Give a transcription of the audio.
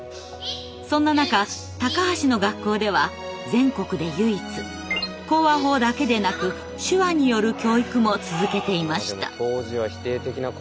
そんな中高橋の学校では全国で唯一口話法だけでなく手話による教育も続けていました。